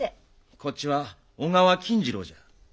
こっちは小川錦次郎じゃ。